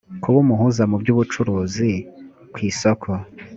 kuba umuhuza mu by ubucuruzi ku isoko